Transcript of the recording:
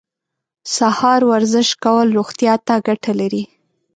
سهار ورزش کول روغتیا ته ګټه لري.